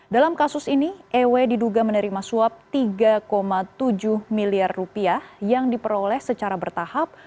dalam kasus ini ew diduga menerima suap tiga tujuh miliar rupiah yang diperoleh secara bertahap